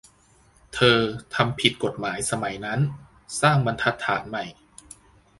เธอ "ทำผิดกฎหมาย" สมัยนั้น -สร้างบรรทัดฐานใหม่